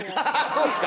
そうですか？